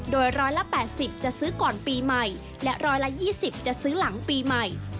โดยร้อยละ๘๐จะซื้อก่อนปีใหม่และร้อยละ๒๐จะซื้อหลังปีใหม่